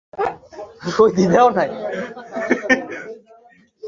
তাঁর হাত থেকে কেড়ে নিয়ে ঘাতকেরা নির্মমভাবে শেখ রাসেলকে হত্যা করে।